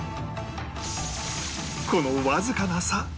このわずかな差